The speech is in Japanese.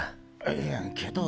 いやけど。